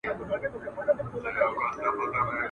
څو ورځي کېږي !.